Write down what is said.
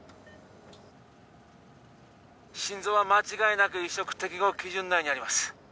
心臓は間違いなく移植適合基準内にあります